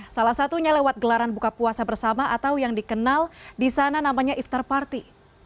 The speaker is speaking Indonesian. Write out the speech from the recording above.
salah satunya lewat gelaran buka puasa bersama atau yang dikenal di sana namanya iftar party